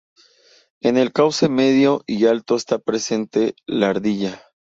En el cauce medio y alto está presente la ardilla.